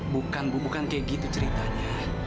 bukan bu bukan kayak gitu ceritanya